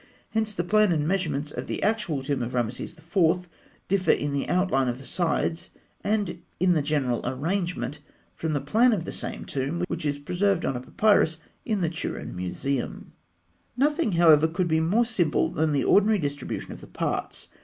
Hence the plan and measurement of the actual tomb of Rameses IV. (fig. 156) differ in the outline of the sides and in the general arrangement from the plan of that same tomb which is preserved on a papyrus in the Turin Museum (fig. 153). Nothing, however, could be more simple than the ordinary distribution of the parts.